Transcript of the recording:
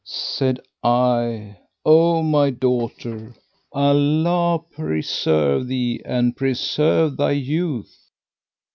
Said I, 'O my daughter, Allah preserve thee and preserve thy youth!'